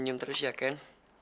senyum terus ya ken